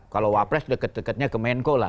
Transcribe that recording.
kalau wapres deket deketnya ke menko lah